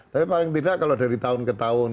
tapi paling tidak kalau dari tahun ke tahun